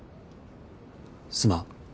すまん。